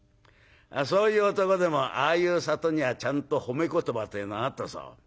そういう男でもああいう里にはちゃんと褒め言葉というのがあったそう。